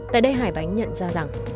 tại đây hải bánh nhận ra rằng